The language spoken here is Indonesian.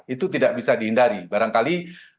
itu tidak bisa dihindari barangkali